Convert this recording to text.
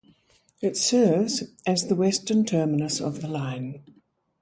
It serves as the western terminus of the line.